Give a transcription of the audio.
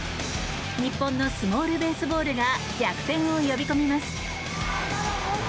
日本のスモールベースボールが逆転を呼び込みます。